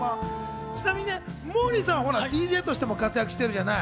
ちなみにモーリーさん、ＤＪとして活躍してるじゃない？